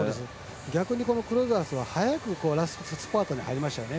逆にクロザースは早くラストスパートに入りましたよね。